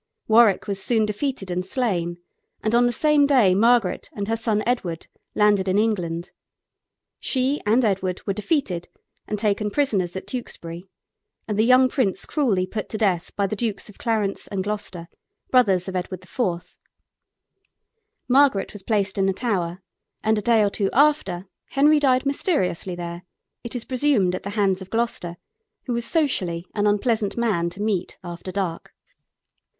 Warwick was soon defeated and slain, and on the same day Margaret and her son Edward landed in England. She and Edward were defeated and taken prisoners at Tewkesbury, and the young prince cruelly put to death by the Dukes of Clarence and Gloucester, brothers of Edward IV. Margaret was placed in the Tower, and a day or two after Henry died mysteriously there, it is presumed at the hands of Gloucester, who was socially an unpleasant man to meet after dark.